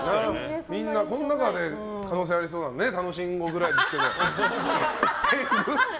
この中で可能性がありそうなの楽しんごぐらいですけど。